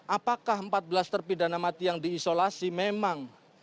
apakah empat belas terpidana mati yang diisolasi memang